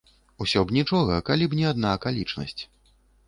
Усё б нічога, калі б не адна акалічнасць.